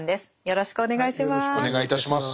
よろしくお願いします。